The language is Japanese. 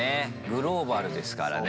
グローバルですからね。